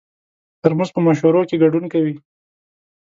ترموز په مشورو کې ګډون کوي.